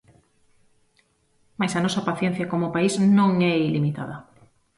Mais a nosa paciencia como país non é ilimitada.